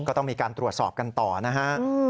ก็ต้องมีการตรวจสอบกันต่อนะฮะ